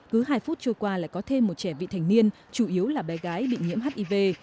cứ hai phút trôi qua lại có thêm một trẻ vị thành niên chủ yếu là bé gái bị nhiễm hiv